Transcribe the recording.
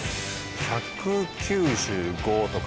１９５とか？